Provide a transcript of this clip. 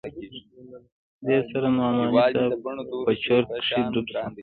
دې سره نعماني صاحب په چورت کښې ډوب سو.